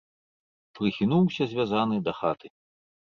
Прыхінуўся, звязаны, да хаты.